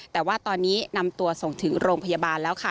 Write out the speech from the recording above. แต่ว่าตอนนี้นำตัวส่งถึงโรงพยาบาลแล้วค่ะ